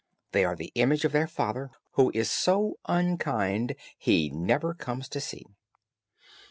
They are the image of their father, who is so unkind, he never comes to see."